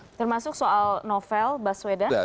termasuk soal novel baswedan